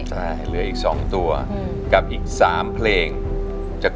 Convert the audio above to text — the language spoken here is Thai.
ทั้งในเรื่องของการทำงานเคยทำนานแล้วเกิดปัญหาน้อย